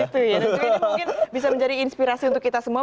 tentu ini mungkin bisa menjadi inspirasi untuk kita semua